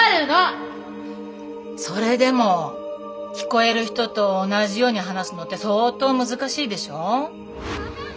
それでも聞こえる人と同じように話すのって相当難しいでしょ。